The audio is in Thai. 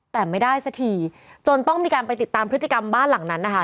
แต่ไม่ได้สักทีจนต้องมีการไปติดตามพฤติกรรมบ้านหลังนั้นนะคะ